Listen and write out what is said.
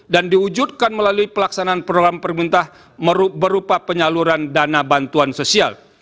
dan diwujudkan melalui pelaksanaan program pemerintah berupa penyaluran dana bantuan sosial